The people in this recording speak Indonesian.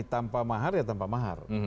tanpa mahar ya tanpa mahar